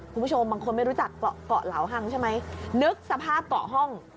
คุณผู้ชมบางคนไม่รู้จักเกาะเกาะเหลาฮังใช่ไหมนึกสภาพเกาะห้อง